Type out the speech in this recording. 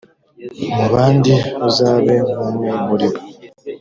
mu bandi, uzabe nk’umwe muri bo,